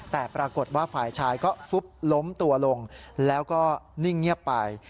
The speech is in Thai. แต่ปรากฏว่าฝ่ายชายก็ฟุบล้มตัวลงแล้วก็นิ่งเงียบไป